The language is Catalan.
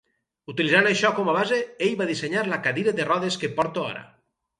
Utilitzant això com a base, ell va dissenyar la cadira de rodes que porta ara.